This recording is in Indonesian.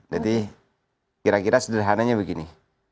jadi kira kira sederhananya begini